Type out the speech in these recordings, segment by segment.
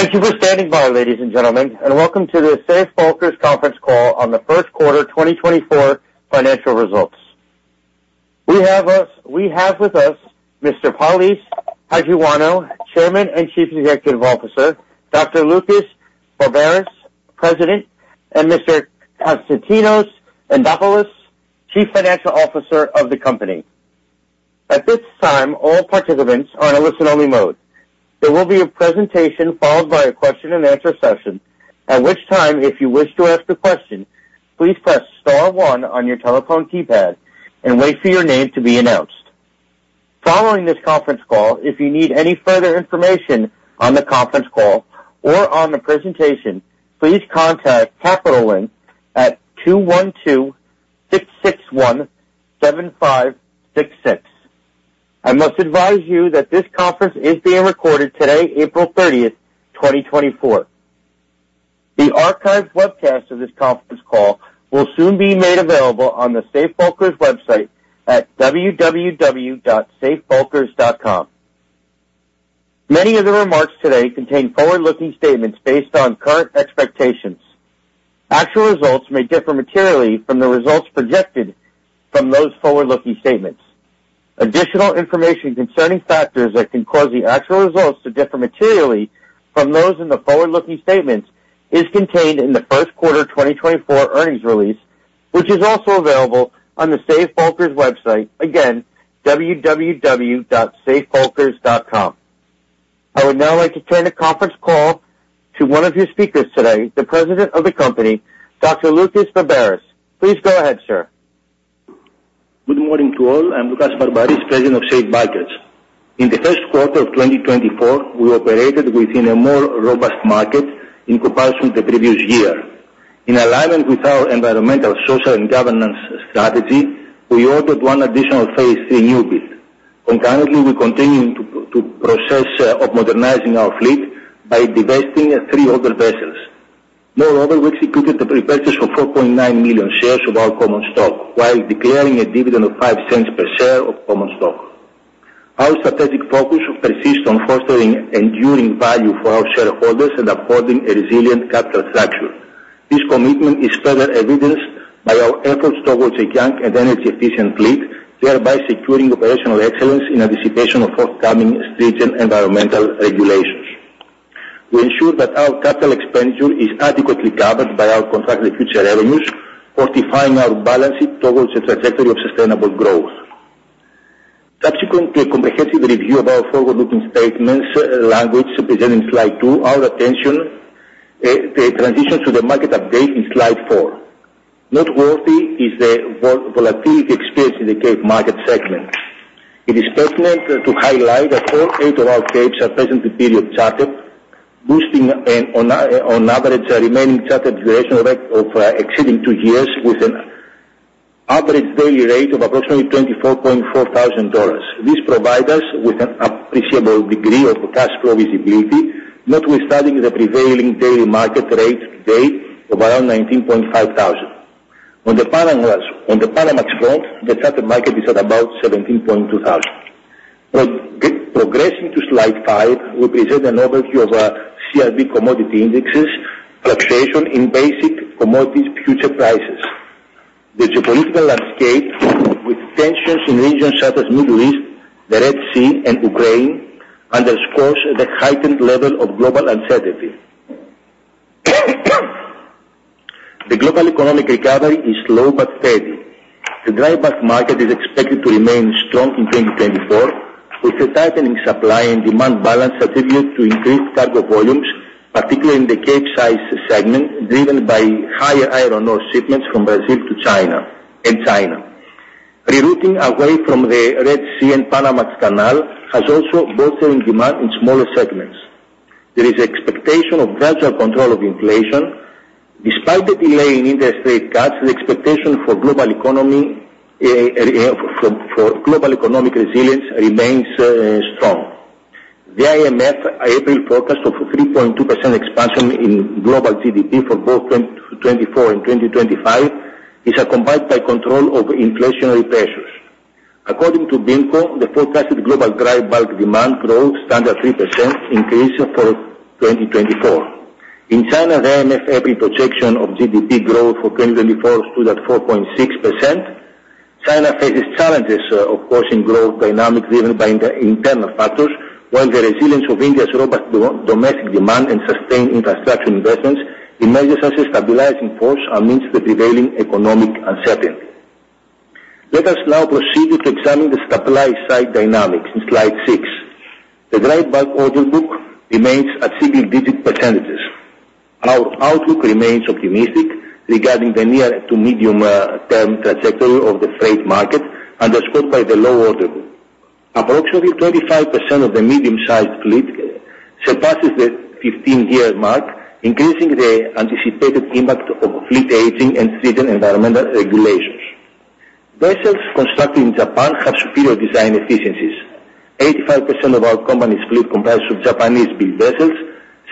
Thank you for standing by, ladies and gentlemen, and welcome to the Safe Bulkers conference call on the first quarter 2024 financial results. We have with us Mr. Polys Hajioannou, Chairman and Chief Executive Officer, Dr. Loukas Barmparis, President, and Mr. Konstantinos Adamopoulos, Chief Financial Officer of the company. At this time, all participants are on a listen-only mode. There will be a presentation followed by a question and answer session, at which time, if you wish to ask a question, please press star one on your telephone keypad and wait for your name to be announced. Following this conference call, if you need any further information on the conference call or on the presentation, please contact Capital Link at two one two, six six one, seven five six six. I must advise you that this conference is being recorded today, April 30th, 2024. The archived webcast of this conference call will soon be made available on the Safe Bulkers website at www.safebulkers.com. Many of the remarks today contain forward-looking statements based on current expectations. Actual results may differ materially from the result projected from those forward-looking statements. Additional information concerning factors that can cause the actual results to differ materially from those in the forward-looking statements is contained in the first quarter 2024 earnings release, which is also available on the Safe Bulkers website. Again, www.safebulkers.com. I would now like to turn the conference call to one of your speakers today, the President of the company, Dr. Loukas Barmparis. Please go ahead, sir. Good morning to all. I'm Loukas Barmparis, President of Safe Bulkers. In the first quarter of 2024, we operated within a more robust market in comparison to the previous year. In alignment with our environmental, social, and governance strategy, we ordered one additional Phase 3 newbuild. Concurrently, we continue to process of modernizing our fleet by divesting three older vessels. Moreover, we executed the repurchase for 4.9 million shares of our common stock while declaring a dividend of $0.05 per share of common stock. Our strategic focus persists on fostering enduring value for our shareholders and affording a resilient capital structure. This commitment is further evidenced by our efforts towards a young and energy-efficient fleet, thereby securing operational excellence in anticipation of forthcoming stringent environmental regulations. We ensure that our capital expenditure is adequately covered by our contracted future revenues, fortifying our balance sheet towards a trajectory of sustainable growth. Subsequent to a comprehensive review of our forward-looking statements, language presented in slide two, our attention transitions to the market update in slide four. Noteworthy is the volatility experienced in the Cape market segment. It is pertinent to highlight that all eight of our Capes are presently period chartered, boosting on average a remaining chartered duration of exceeding two years with an average daily rate of approximately $24,400. This provides us with an appreciable degree of cash flow visibility, notwithstanding the prevailing daily market rate today of around $19,500. On the Panamax front, the charter market is at about $17,200. Progressing to slide five, we present an overview of CRB commodity indexes fluctuation in basic commodities future prices. The geopolitical landscape, with tensions in regions such as Middle East, the Red Sea and Ukraine, underscores the heightened level of global uncertainty. The global economic recovery is slow but steady. The dry bulk market is expected to remain strong in 2024, with a tightening supply and demand balance attributed to increased cargo volumes, particularly in the Capesize segment, driven by higher iron ore shipments from Brazil to China, and China. Rerouting away from the Red Sea and Panama Canal has also bolstered demand in smaller segments. There is expectation of gradual control of inflation. Despite the delay in interest rate cuts, the expectation for global economy for global economic resilience remains strong. The IMF April forecast of a 3.2% expansion in global GDP for both 2024 and 2025 is accompanied by control of inflationary pressures. According to BIMCO, the forecasted global dry bulk demand growth stands at 3% increase for 2024. In China, the IMF April projection of GDP growth for 2024 stood at 4.6%. China faces challenges, of course, in growth dynamics driven by the internal factors, while the resilience of India's robust domestic demand and sustained infrastructure investments emerges as a stabilizing force amidst the prevailing economic uncertainty. Let us now proceed to examine the supply side dynamics in slide six. The dry bulk order book remains at single-digit percentages. Our outlook remains optimistic regarding the near to medium-term trajectory of the freight market, underscored by the low order book. Approximately 35% of the medium-sized fleet surpasses the 15-year mark, increasing the anticipated impact of fleet aging and stringent environmental regulations. Vessels constructed in Japan have superior design efficiencies. 85% of our company's fleet comprises of Japanese-built vessels,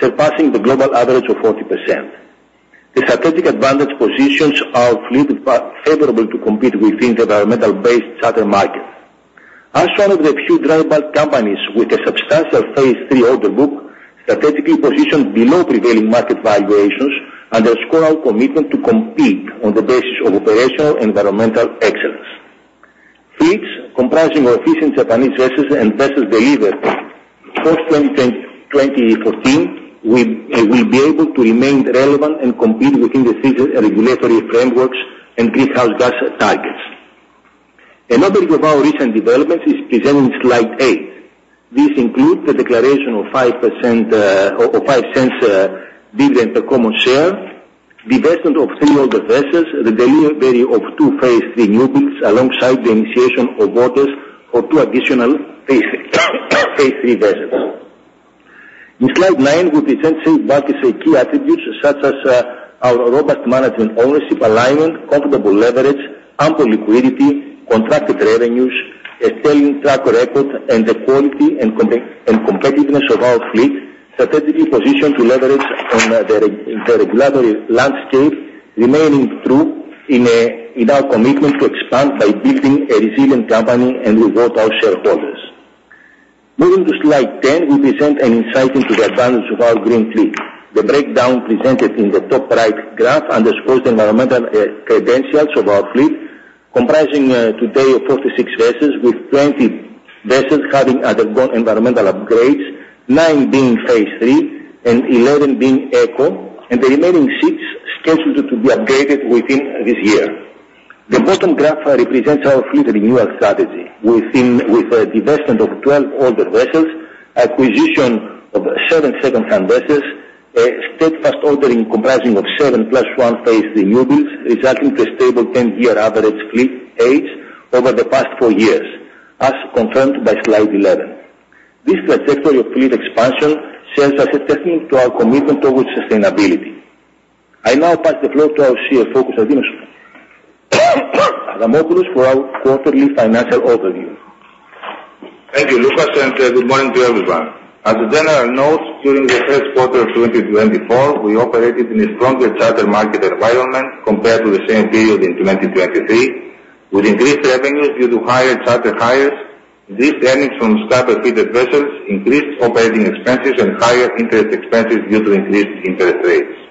surpassing the global average of 40%.... strategic advantage positions our fleet favorable to compete within the environmental-based charter market. As one of the few dry bulk companies with a substantial Phase 3 order book strategically positioned below prevailing market valuations and a strong commitment to compete on the basis of operational and environmental excellence. Fleets comprising of efficient Japanese vessels and vessels delivered first 2010, 2014, we will be able to remain relevant and compete within the stringent regulatory frameworks and greenhouse gas targets. Another of our recent developments is in slide eight. This includes the declaration of 5%, or $0.05, dividend per common share, divestment of three older vessels, the delivery of two Phase 3 newbuilds, alongside the initiation of orders for two additional Phase 3 vessels. In slide nine, we present Safe Bulkers' key attributes, such as our robust management ownership, alignment, comfortable leverage, ample liquidity, contracted revenues, a sterling track record, and the quality and competitiveness of our fleet, strategically positioned to leverage on the regulatory landscape, remaining true to our commitment to expand by building a resilient company and reward our shareholders. Moving to slide 10, we present an insight into the advantage of our green fleet. The breakdown presented in the top right graph underscores the environmental credentials of our fleet, comprising today of 46 vessels, with 20 vessels having undergone environmental upgrades, nine being Phase 3 and 11 being Eco, and the remaining six scheduled to be upgraded within this year. The bottom graph represents our fleet renewal strategy with a divestment of 12 older vessels, acquisition of seven secondhand vessels, a steadfast ordering comprising of seven plus one Phase 3 newbuilds, resulting to a stable 10-year average fleet age over the past four years, as confirmed by Slide 11. This trajectory of fleet expansion serves as a testament to our commitment towards sustainability. I now pass the floor to our CFO, Konstantinos Adamopoulos, for our quarterly financial overview. Thank you, Loukas, and good morning to everyone. As the general notes, during the first quarter of 2024, we operated in a stronger charter market environment compared to the same period in 2023, with increased revenues due to higher charter hires. This earnings from charter fleet vessels increased operating expenses and higher interest expenses due to increased interest rates.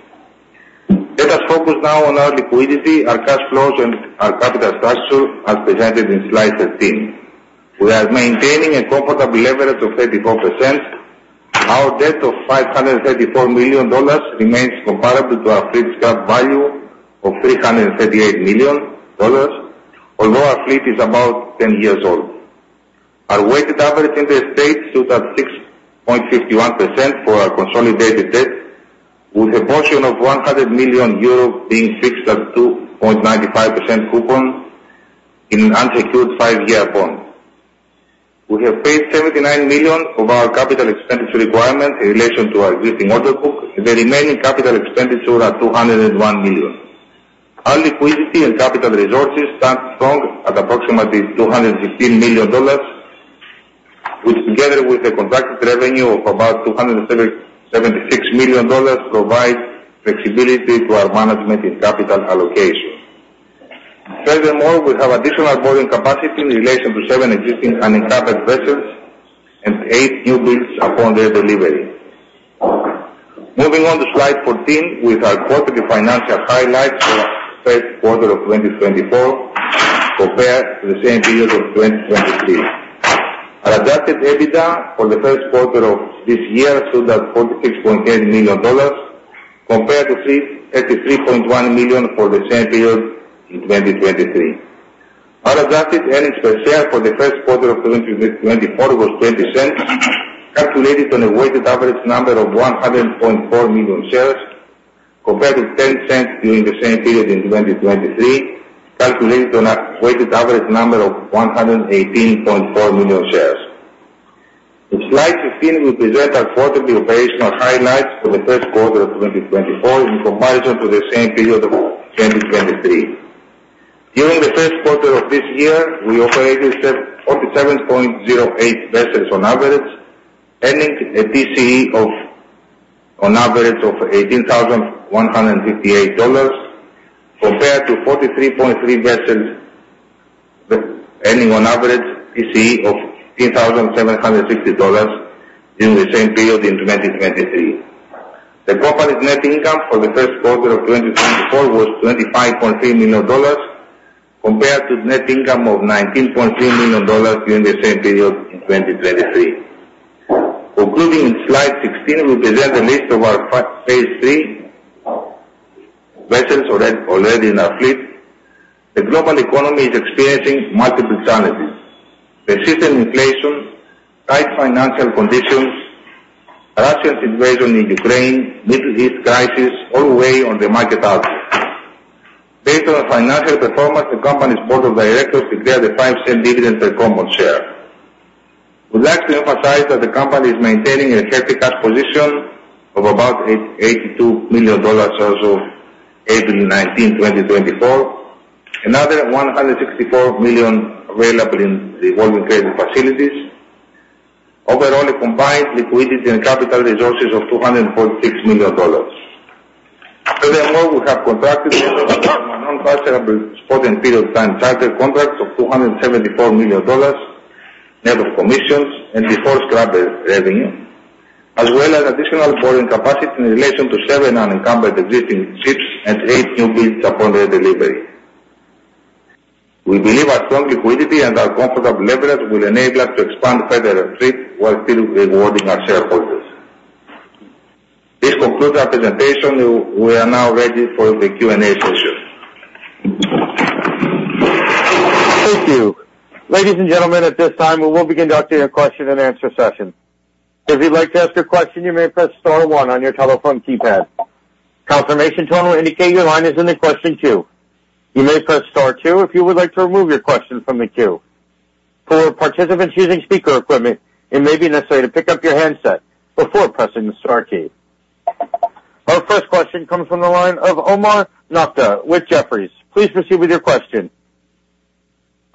Let us focus now on our liquidity, our cash flows, and our capital structure, as presented in Slide 13. We are maintaining a comfortable leverage of 34%. Our debt of $534 million remains comparable to our fleet's current value of $338 million, although our fleet is about 10 years old. Our weighted average interest rate stood at 6.51% for our consolidated debt, with a portion of 100 million euro being fixed at 2.95% coupon in an unsecured five-year bond. We have paid $79 million of our capital expenditure requirement in relation to our existing order book, the remaining capital expenditure at $201 million. Our liquidity and capital resources stand strong at approximately $215 million, which, together with the contracted revenue of about $276 million, provides flexibility to our management in capital allocation. Furthermore, we have additional borrowing capacity in relation to seven existing unencumbered vessels and eight newbuilds upon their delivery. Moving on to Slide 14 with our quarterly financial highlights for the first quarter of 2024 compared to the same period of 2023. Our adjusted EBITDA for the first quarter of this year stood at $46.8 million, compared to $33.1 million for the same period in 2023. Our adjusted earnings per share for the first quarter of 2024 was $0.20, calculated on a weighted average number of 100.4 million shares, compared to $0.10 during the same period in 2023, calculated on a weighted average number of 118.4 million shares. In Slide 15, we present our quarterly operational highlights for the first quarter of 2024 in comparison to the same period of 2023. During the first quarter of this year, we operated at 47.08 vessels on average, earning a TCE of on average $18,158, compared to 43.3 vessels, with earning on average TCE of $10,760 during the same period in 2023. The company's net income for the first quarter of 2024 was $25.3 million, compared to net income of $19.3 million during the same period in 2023. Concluding in Slide 16, we present a list of our Phase 3 vessels already in our fleet. The global economy is experiencing multiple challenges. Persistent inflation, tight financial conditions, Russia's invasion in Ukraine, Middle East crisis, all weigh on the market outlook. Based on our financial performance, the company's board of directors declared a $0.05 dividend per common share. We'd like to emphasize that the company is maintaining a healthy cash position of about $82 million as of April 19, 2024, another $164 million available in revolving credit facilities. Overall, a combined liquidity and capital resources of $246 million. Furthermore, we have contracted spot and period time charter contracts of $274 million net of commissions and before scrap revenue, as well as additional forward capacity in relation to seven unencumbered existing ships and eight new builds upon their delivery. We believe our strong liquidity and our comfortable leverage will enable us to expand further our fleet while still rewarding our shareholders. This concludes our presentation. We are now ready for the Q&A session. Thank you. Ladies and gentlemen, at this time, we will be conducting a question and answer session. If you'd like to ask a question, you may press star one on your telephone keypad. Confirmation tone will indicate your line is in the question queue. You may press star two if you would like to remove your question from the queue. For participants using speaker equipment, it may be necessary to pick up your handset before pressing the star key. Our first question comes from the line of Omar Nokta with Jefferies. Please proceed with your question.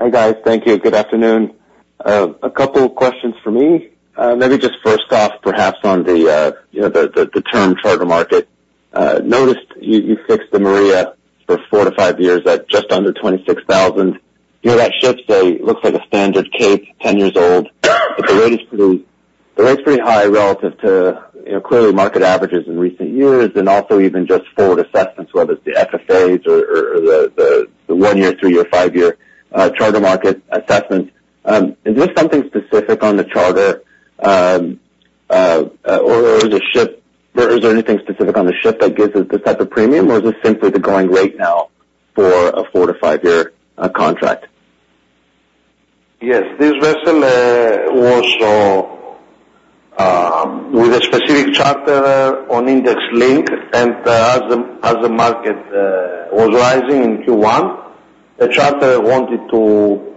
Hi, guys. Thank you. Good afternoon. A couple of questions for me. Maybe just first off, perhaps on the, you know, the term charter market. Noticed you fixed the Maria for four to five years at just under $26,000. You know, that ship, say, looks like a standard Cape, 10 years old, but the rate's pretty high relative to, you know, clearly market averages in recent years, and also even just forward assessments, whether it's the FFAs or the one-year, three-year, five-year charter market assessments. Is there something specific on the charter, or is there anything specific on the ship that gives it this type of premium, or is this simply the going rate now for a four to five year contract? Yes. This vessel was with a specific charter on index link, and as the market was rising in Q1, the charter wanted to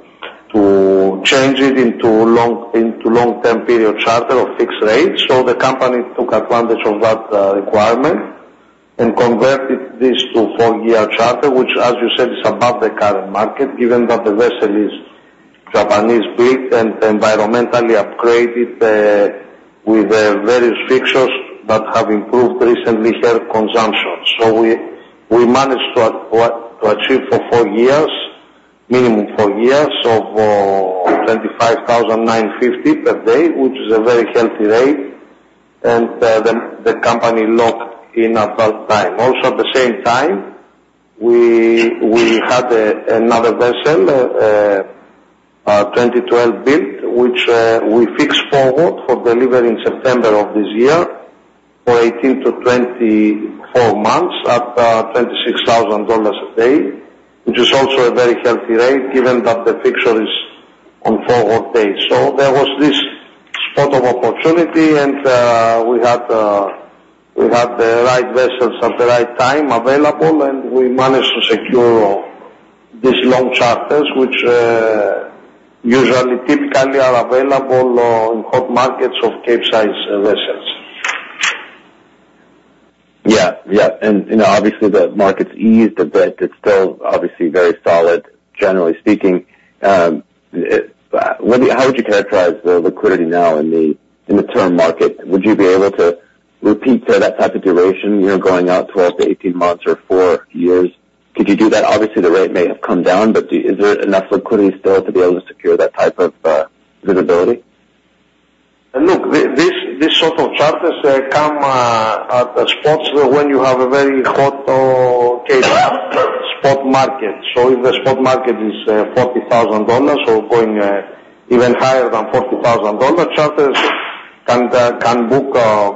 change it into long-term period charter of fixed rates. So the company took advantage of that requirement and converted this to four-year charter, which, as you said, is above the current market, given that the vessel is Japanese built and environmentally upgraded with various fixtures that have improved recently her consumption. So we managed to achieve for four years, minimum four years of $25,950 per day, which is a very healthy rate, and the company locked in at that time. Also, at the same time, we had another vessel, a 2012 build, which we fixed forward for delivery in September of this year for 18-24 months at $26,000 a day, which is also a very healthy rate, given that the fixture is on forward days. So there was this spot of opportunity, and we had the right vessels at the right time available, and we managed to secure these long charters, which usually, typically are available on hot markets of Capesize vessels. Yeah. Yeah, and you know, obviously, the market's eased, but it's still obviously very solid, generally speaking. What do you-- how would you characterize the liquidity now in the, in the term market? Would you be able to repeat that type of duration, you know, going out 12 to 18 months or four years? Could you do that? Obviously, the rate may have come down, but is there enough liquidity still to be able to secure that type of, visibility? Look, this, these sort of charters come at the spots when you have a very hot Capesize spot market. So if the spot market is $40,000 or going even higher than $40,000, charters can book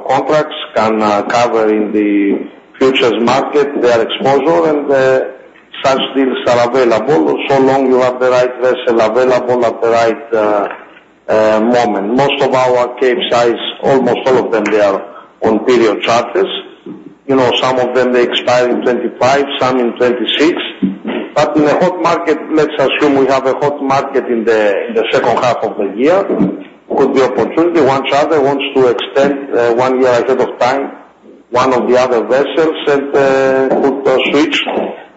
contracts, can cover in the futures market their exposure, and such deals are available so long you have the right vessel available at the right moment. Most of our Capesize, almost all of them, they are on period charters. You know, some of them, they expire in 2025, some in 2026. But in a hot market, let's assume we have a hot market in the second half of the year, could be opportunity. One charter wants to extend one year ahead of time one of the other vessels, and could switch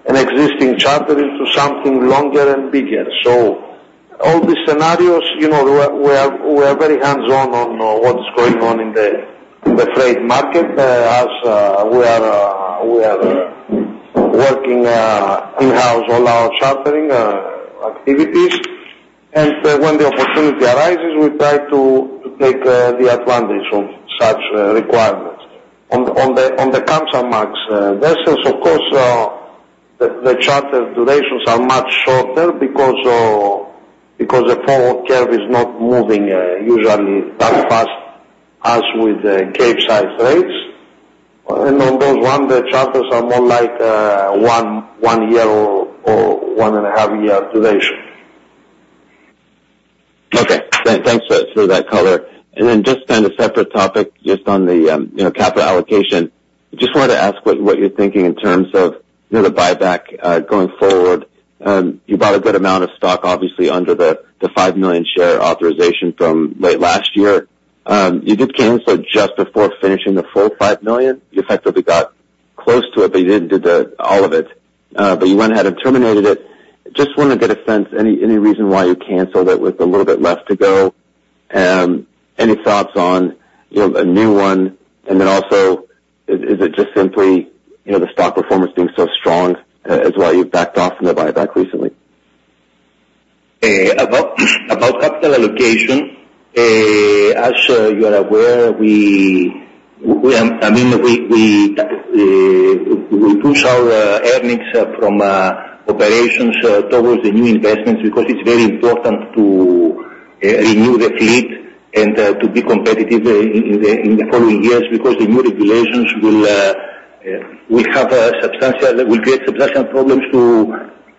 an existing charter into something longer and bigger. So all these scenarios, you know, we are very hands-on on what's going on in the freight market, as we are working in-house all our chartering activities. And when the opportunity arises, we try to take the advantage of such requirements. On the Kamsarmax vessels, of course, the charter durations are much shorter because the forward curve is not moving usually that fast as with the Capesize rates. And on those one, the charters are more like one year or one and a half year duration. Okay. Thanks for that color. And then just on a separate topic, just on the, you know, capital allocation, just wanted to ask what you're thinking in terms of, you know, the buyback going forward. You bought a good amount of stock, obviously, under the five million share authorization from late last year. You did cancel just before finishing the full five million. You effectively got close to it, but you didn't do all of it. But you went ahead and terminated it. Just want to get a sense, any reason why you canceled it with a little bit left to go? Any thoughts on, you know, a new one? And then also, is it just simply, you know, the stock performance being so strong, is why you backed off from the buyback recently? About capital allocation, as you are aware, I mean, we push our earnings from operations towards the new investments because it's very important to renew the fleet and to be competitive in the following years. Because the new regulations will have a substantial-- will create substantial problems to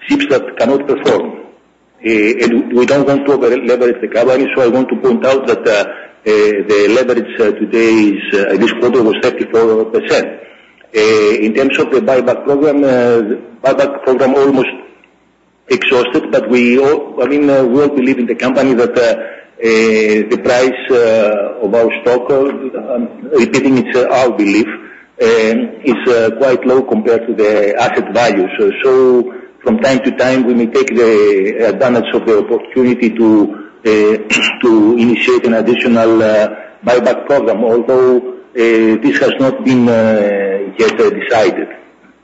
ships that cannot perform. And we don't want to over-leverage the company, so I want to point out that the leverage today is in this quarter was 34%. In terms of the buyback program, the buyback program almost exhausted, but we all... I mean, we all believe in the company that the price of our stock, repeating it's our belief, is quite low compared to the asset value. So from time to time, we may take the advantage of the opportunity to initiate an additional buyback program, although this has not been yet decided.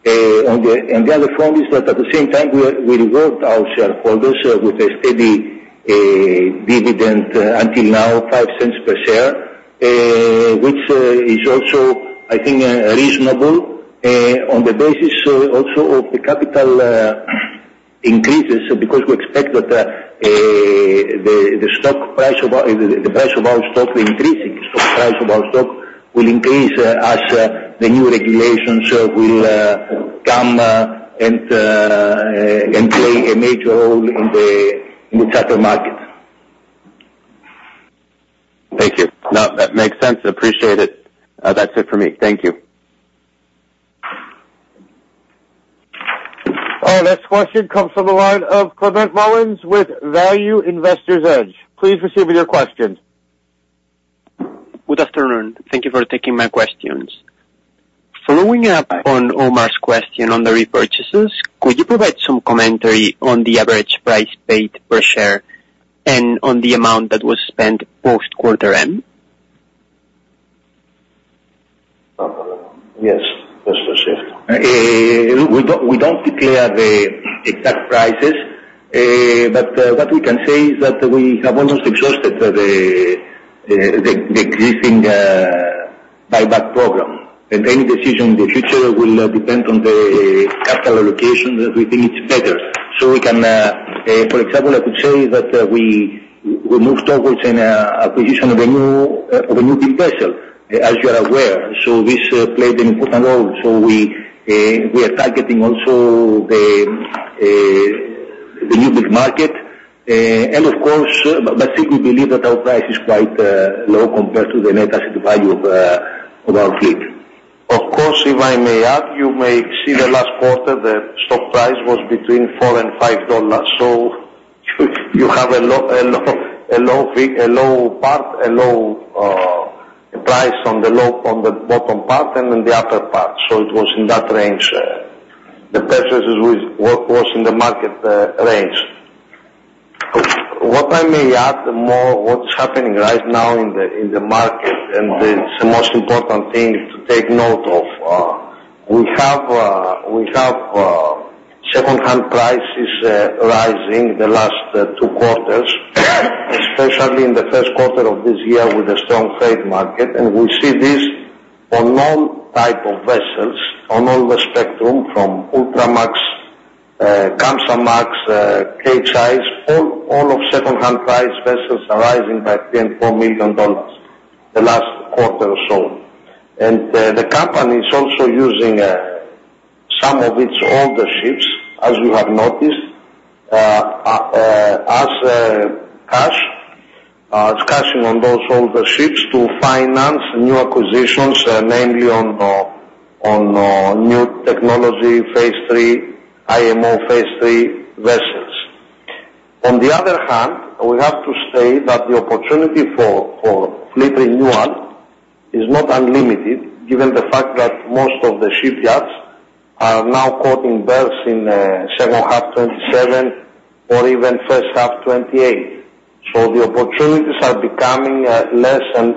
And the other form is that at the same time, we reward our shareholders with a steady dividend. Until now, $0.05 per share, which is also, I think, reasonable on the basis also of the capital increases. Because we expect that the stock price of our stock will increase as the new regulations will come and play a major role in the charter market. Thank you. No, that makes sense. Appreciate it. That's it for me. Thank you. Our next question comes from the line of Climent Molins with Value Investors Edge. Please proceed with your question. Good afternoon. Thank you for taking my questions. Following up on Omar's question on the repurchases, could you provide some commentary on the average price paid per share and on the amount that was spent post-quarter end? Yes, that's for sure. We don't declare the exact prices, but what we can say is that we have almost exhausted the existing buyback program. And any decision in the future will depend on the capital allocation that we think it's better. So we can, for example, I could say that we moved towards an acquisition of a new big vessel, as you are aware. So this played an important role. So we are targeting also the new build market. And of course, but we believe that our price is quite low compared to the net asset value of our fleet. Of course, if I may add, you may see the last quarter, the stock price was between $4 and $5. So you have a low, a low, a low fee, a low, price on the low, on the bottom part and on the upper part. So it was in that range. The purchases with what was in the market range. What I may add more, what's happening right now in the market, and it's the most important thing to take note of. We have secondhand prices rising the last two quarters, especially in the first quarter of this year with the strong trade market. We see this on all types of vessels, on all the spectrum from Ultramax, Kamsarmax, Capesize, all of secondhand price vessels are rising by $3 million-$4 million the last quarter or so. The company is also using some of its older ships, as you have noticed, as cash. It's cashing in on those older ships to finance new acquisitions, mainly on new technology Phase 3, IMO Phase 3 vessels. On the other hand, we have to say that the opportunity for fleet renewal is not unlimited, given the fact that most of the shipyards are now booked in berths in second half 2027 or even first half 2028. The opportunities are becoming less and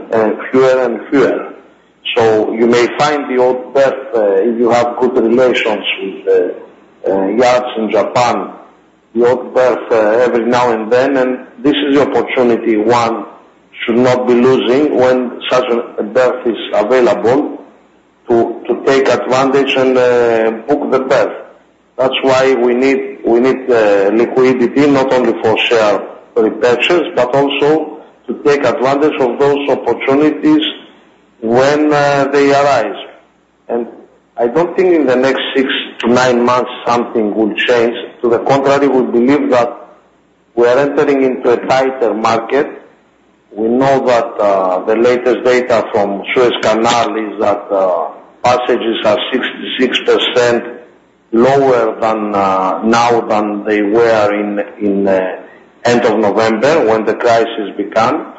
fewer and fewer. So you may find the old berth, if you have good relations with yards in Japan, the old berth every now and then, and this is the opportunity one should not be losing when such a berth is available, to take advantage and book the berth. That's why we need liquidity, not only for share repurchases, but also to take advantage of those opportunities when they arise. And I don't think in the next six to nine months, something will change. To the contrary, we believe that we are entering into a tighter market. We know that the latest data from Suez Canal is that passages are 66% lower than now than they were in end of November when the crisis began.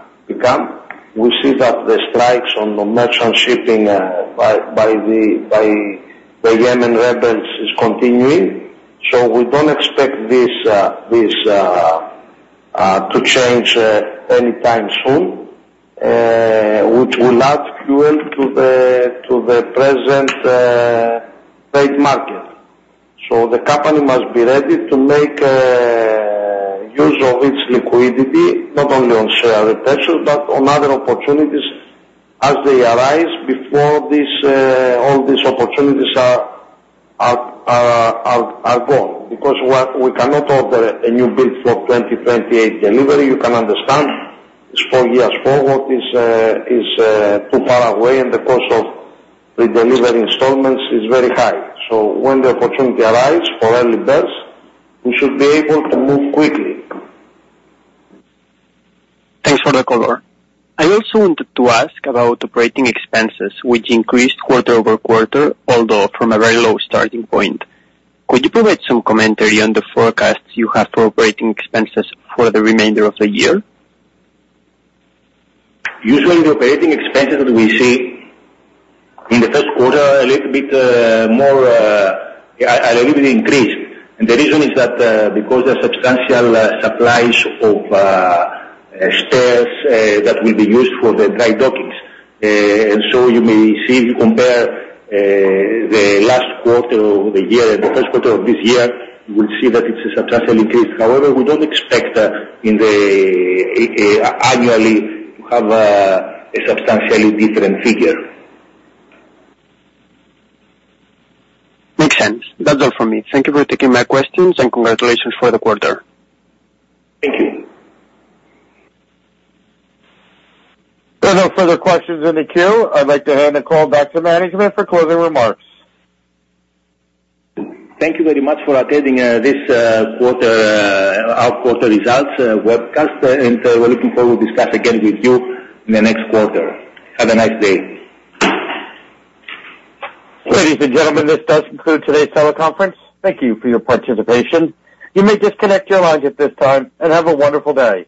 We see that the strikes on the merchant shipping by the Yemen rebels is continuing. So we don't expect this to change anytime soon, which will add fuel to the present freight market. So the company must be ready to make use of its liquidity, not only on share repurchase, but on other opportunities as they arise before all these opportunities are gone. Because what we cannot order a new build for 2028 delivery, you can understand, is four years forward, is too far away, and the cost of the delivery installments is very high. So when the opportunity arise for early birds, we should be able to move quickly. Thanks for the color. I also wanted to ask about operating expenses, which increased quarter-over-quarter, although from a very low starting point. Could you provide some commentary on the forecasts you have for operating expenses for the remainder of the year? Usually the operating expenses we see in the first quarter are a little bit more, a little bit increased. The reason is that because there are substantial supplies of spares that will be used for the dry dockings. And so you may see, if you compare the last quarter of the year and the first quarter of this year, you will see that it's a substantial increase. However, we don't expect annually to have a substantially different figure. Makes sense. That's all for me. Thank you for taking my questions, and congratulations for the quarter. Thank you. There are no further questions in the queue. I'd like to hand the call back to management for closing remarks. Thank you very much for attending this quarter, our quarter results webcast. We're looking forward to discuss again with you in the next quarter. Have a nice day. Ladies and gentlemen, this does conclude today's teleconference. Thank you for your participation. You may disconnect your lines at this time, and have a wonderful day.